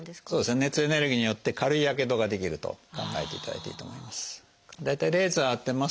熱エネルギーによって軽いやけどが出来ると考えていただいていいと思います。